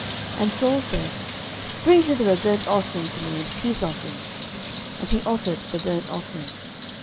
09:013:009 And Saul said, Bring hither a burnt offering to me, and peace offerings. And he offered the burnt offering.